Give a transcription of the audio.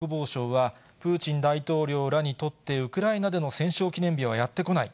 そして、イギリスのウォレス国防相は、プーチン大統領らにとって、ウクライナでの戦勝記念日はやって来ない。